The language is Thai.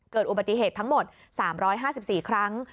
เกิดอุบัติเหตุทั้งหมด๓๕๔ครั้ง